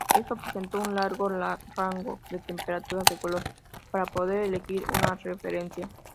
Esto presentó un largo rango de temperaturas de color para poder elegir una referencia.